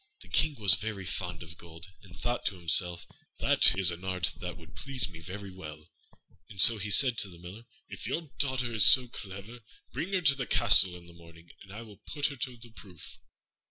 The King was very fond of gold, and thought to himself, "That is an art which would please me very well"; and so he said to the Miller, "If your daughter is so very clever, bring her to the castle in the morning, and I will put her to the proof."